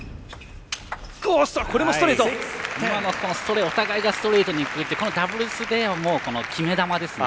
今のストレートお互いがストレートにいくってダブルスでは決め球ですね。